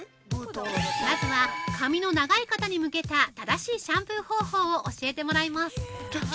まずは、髪の長い方に向けた正しいシャンプー方法を教えてもらいます！